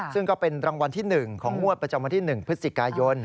ซึ่งก็เป็นรางวัลที่๑ของงวดประจำวันที่๑พฤศจิกายน